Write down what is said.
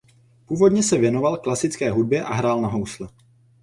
Původně se věnoval klasické hudbě a hrál na housle.